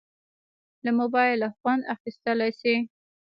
له موبایله خوند اخیستیلی شې.